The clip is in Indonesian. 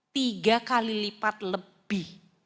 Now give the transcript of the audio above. tiga kali lipat lebih